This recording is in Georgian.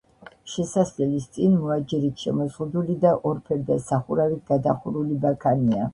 შესასვლელის წინ მოაჯირით შემოზღუდული და ორფერდა სახურავით გადახურული ბაქანია.